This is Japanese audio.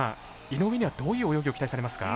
井上にはどういう泳ぎを期待されますか？